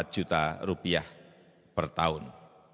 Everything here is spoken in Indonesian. empat juta rupiah per tahun